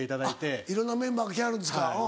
いろんなメンバーが来はるんですか。